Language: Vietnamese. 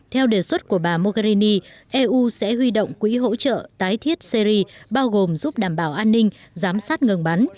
theo đề xuất của bà mogherini eu sẽ huy động quỹ hỗ trợ tái thiết syri bao gồm giúp đảm bảo an ninh giám sát ngừng bắn